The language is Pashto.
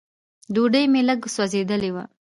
ډوډۍ مې لږ سوځېدلې وه.